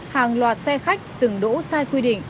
hàng loạt xe khách dừng đỗ sai quy định